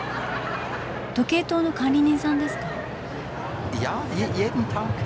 時計塔の管理人さんですか？